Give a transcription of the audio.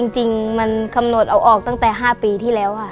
จริงมันกำหนดเอาออกตั้งแต่๕ปีที่แล้วค่ะ